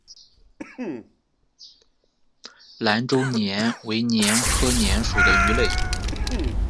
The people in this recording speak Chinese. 兰州鲇为鲇科鲇属的鱼类。